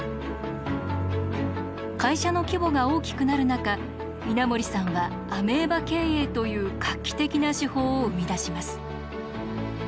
会社の規模が大きくなる中稲盛さんはアメーバ経営という画期的な手法を生み出します。